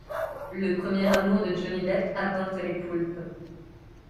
Le premier amour de Johnny Depp apporte les poulpes.